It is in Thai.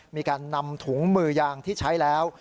มีการนำถุงมือยางที่ใช้แล้ว